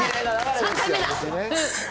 ３回目だ。